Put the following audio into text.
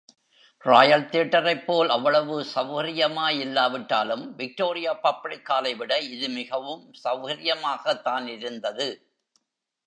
Royal தியேட்டரைப் போல் அவ்வளவு சௌகர்யமாயில்லாவிட்டாலும் விக்டோரியா பப்ளிக் ஹாலைவிட, இது மிகவும் சௌகர்யமாகத்தானிருந்தது.